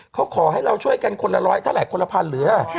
เขาขอให้เราช่วยกันคนละร้อยเท่าไหรคนละพันเหลือ